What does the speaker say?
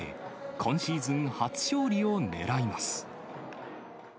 今シーズン初勝利を狙います。